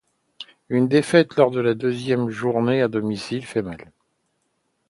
Une défaite lors de la deuxième journée à domicile fait mal.